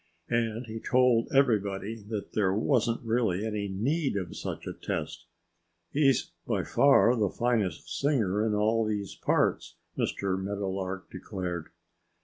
And he told everybody that there wasn't really any need of such a test. "He's by far the finest singer in all these parts," Mr. Meadowlark declared.